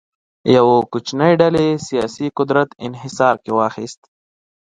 یوه کوچنۍ ډلې سیاسي قدرت انحصار کې واخیست.